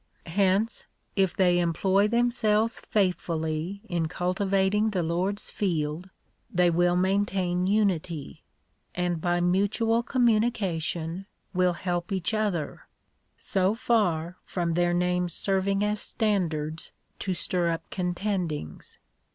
Hence, if they employ themselves faithfully in cultivating the Lord's field, they will maintain unity ; and, by mutual communication, will help each other — so far from their names serving as standards to stir up contendings.